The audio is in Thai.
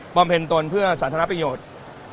ป้อมเพลินตนเพื่อสาธารณะประโยชน์